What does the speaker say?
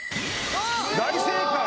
大正解！